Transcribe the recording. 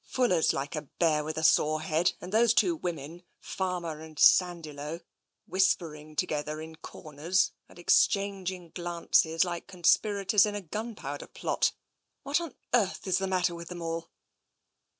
Fuller's like a bear with a sore head, and those two women — Farmer and Sandiloe — whispering to gether in corners and exchanging glances like conspira tors in a gunpowder plot. What on earth is the matter with them all?"